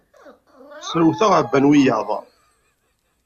Srewteɣ, ɛabban wiyaḍ.